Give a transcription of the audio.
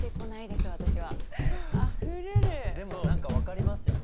でも何か分かりますよね